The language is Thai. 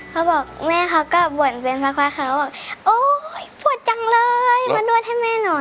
เขาบอกแม่เขาก็บ่นเวียนพักเขาบอกโอ๊ยปวดจังเลยมานวดให้แม่หน่อย